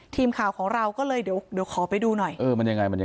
ทีมข่าวของเราก็เลยเดี๋ยวขอไปดูหน่อย